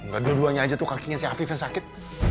gak dua duanya aja tuh kakingin si afif yang sakit